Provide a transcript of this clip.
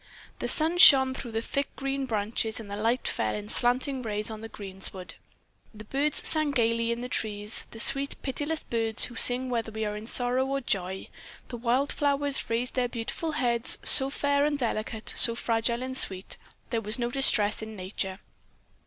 The sun shone through the thick, green branches, and the light fell in slanting rays on the greensward; the birds sang gaily in the trees the sweet, pitiless birds, who sing whether we are in sorrow or joy; the wild flowers raised their beautiful heads, so fair and delicate, so fragile and sweet; there was no distress in nature.